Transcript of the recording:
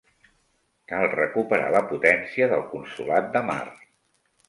Cal recuperar la potència del Consolat de Mar.